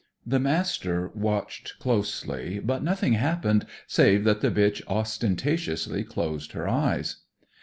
The Master watched closely, but nothing happened, save that the bitch ostentatiously closed her eyes.